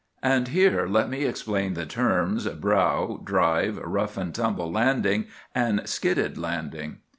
And here let me explain the terms 'brow,' 'drive,' 'rough and tumble landing,' and 'skidded landing.